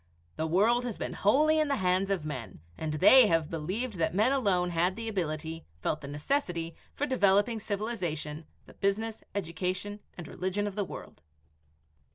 The world has been wholly in the hands of men, and they have believed that men alone had the ability, felt the necessity, for developing civilization, the business, education, and religion of the world."